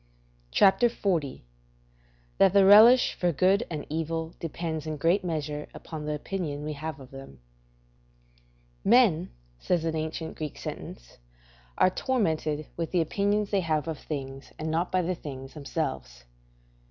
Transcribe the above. CHAPTER XL THAT THE RELISH FOR GOOD AND EVIL DEPENDS IN GREAT MEASURE UPON THE OPINION WE HAVE OF THEM Men (says an ancient Greek sentence) [Manual of Epictetus, c. 10.] are tormented with the opinions they have of things and not by the things themselves.